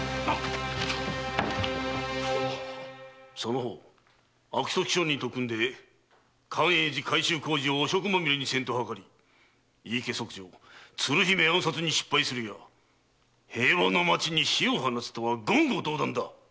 その方悪徳商人と組んで寛永寺改修工事を汚職まみれにせんとはかり井伊家息女・鶴姫暗殺に失敗するや平和な町に火を放つとは言語道断！